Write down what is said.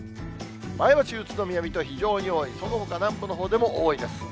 前橋、宇都宮、水戸、非常に多い、そのほか、南部のほうでも多いです。